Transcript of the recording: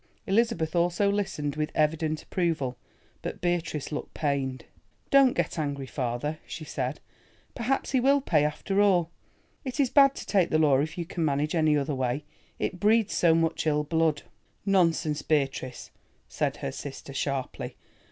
Elizabeth also listened with evident approval, but Beatrice looked pained. "Don't get angry, father," she said; "perhaps he will pay after all. It is bad to take the law if you can manage any other way—it breeds so much ill blood." "Nonsense, Beatrice," said her sister sharply.